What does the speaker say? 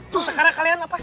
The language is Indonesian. tuh sekarang kalian apa